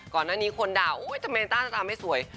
ก่อนหน้านี้คนด่าโอ๊ยทำไมต้าจะทำให้สวย